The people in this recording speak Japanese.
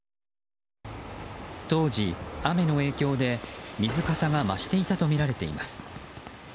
当時、雨の影響で水かさが増していたとみられています。